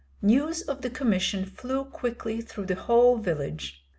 News of the commission flew quickly through the whole village.